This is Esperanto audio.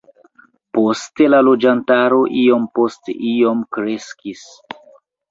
Poste la loĝantaro iom post iom kreskis.